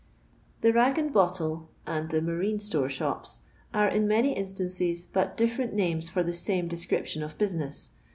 The raff and bottle and the saartnt^store sAojN are in many instances but difllerent names for tif same description of business.